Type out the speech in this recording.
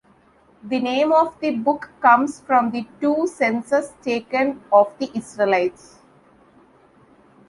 The name of the book comes from the two censuses taken of the Israelites.